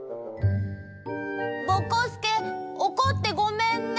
ぼこすけおこってごめんね。